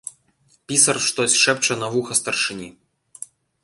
Пісар штось шэпча на вуха старшыні.